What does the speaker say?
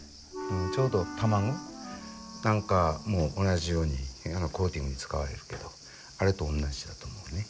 ちょうど卵なんかも同じようにコーティングに使われるけどあれと同じだと思うね。